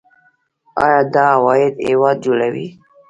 آیا دا عواید هیواد جوړوي؟